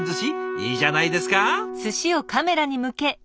いいじゃないですか！